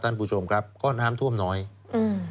ท่านผู้ชมครับก็น้ำท่วมน้อยอืม